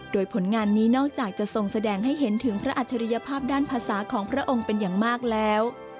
โดยผลงานนี้นอกจากจะทรงแสดงให้เห็นถึงพระอัจฉริยภาพด้านภาษาของพระองค์เป็นอย่างมากแล้ว